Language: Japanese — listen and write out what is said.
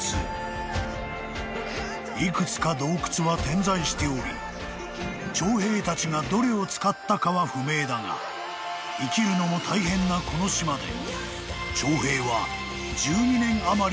［いくつか洞窟は点在しており長平たちがどれを使ったかは不明だが生きるのも大変なこの島で］